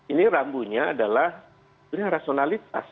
ini rambunya adalah rasionalitas